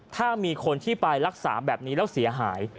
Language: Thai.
ถ้ามีคนที่ไปรักษาแบบนี้แล้วเสียหาย